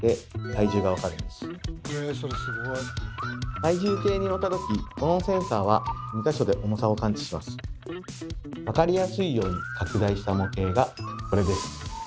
体重計に乗ったときこの分かりやすいように拡大した模型がこれです。